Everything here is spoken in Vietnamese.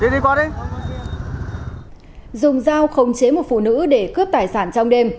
dùng dao không chế một phụ nữ để cướp tài sản trong đêm